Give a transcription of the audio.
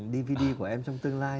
dvd của em trong tương lai